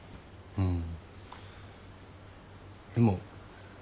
うん。